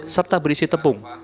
serta berisi tepung